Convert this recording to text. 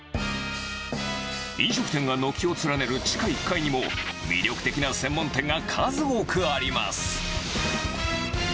飲食店が軒を連ねる地下１階にも、魅力的な専門店が数多くあります。